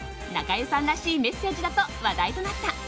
中居さんらしいメッセージだと話題となった。